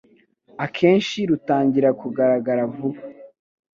akenshi rutangira kugaragara vuba